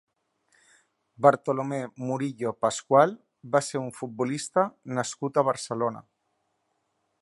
Bartolomé Murillo Pascual va ser un futbolista nascut a Barcelona.